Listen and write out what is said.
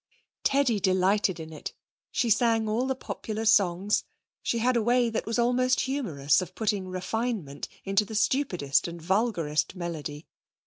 Teddy delighted in it. She sang all the popular songs she had a way that was almost humorous of putting refinement into the stupidest and vulgarest melody.